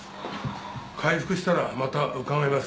回復したらまた伺います。